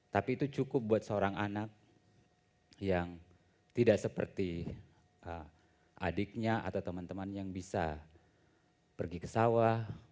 tapi itu cukup buat seorang anak yang tidak seperti adiknya atau teman teman yang bisa pergi ke sawah